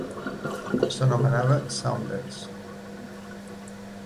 S'anomenava "Saunders".